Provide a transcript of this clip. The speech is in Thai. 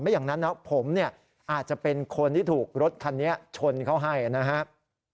อย่างนั้นนะผมเนี่ยอาจจะเป็นคนที่ถูกรถคันนี้ชนเขาให้นะครับ